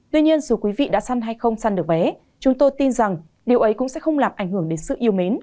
tuy nhiên dù quý vị đã săn hay không săn được vé chúng tôi tin rằng điều ấy cũng sẽ không làm ảnh hưởng đến sự yêu mến